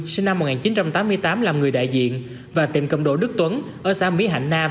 sinh năm một nghìn chín trăm tám mươi tám làm người đại diện và tiệm cầm đồ đức tuấn ở xã mỹ hạnh nam